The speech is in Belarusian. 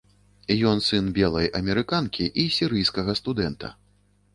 Ён сын белай амерыканкі і сірыйскага студэнта.